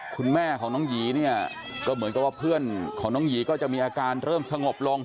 คุณแม่ของน้องหยีเนี่ยก็เหมือนกับว่าเพื่อนของน้องหยีก็จะมีอาการเริ่มสงบลง